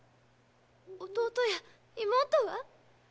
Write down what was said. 弟や妹は？